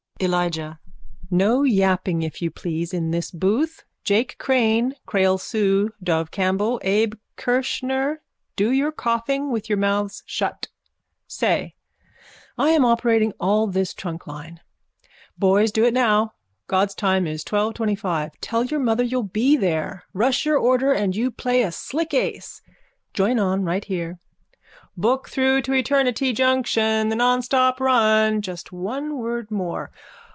_ ELIJAH: No yapping, if you please, in this booth. Jake Crane, Creole Sue, Dove Campbell, Abe Kirschner, do your coughing with your mouths shut. Say, I am operating all this trunk line. Boys, do it now. God's time is 12.25. Tell mother you'll be there. Rush your order and you play a slick ace. Join on right here. Book through to eternity junction, the nonstop run. Just one word more.